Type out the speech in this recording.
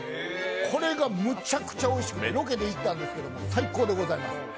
これがむちゃくちゃおいしくてロケで行ったんですけど最高でございました。